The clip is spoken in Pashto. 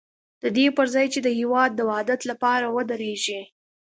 د دې پر ځای چې د هېواد د وحدت لپاره ودرېږي.